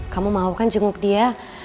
kamu mau kan jenguk dia